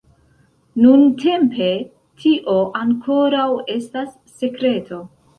Nuntempe, tio ankoraŭ estas sekreto!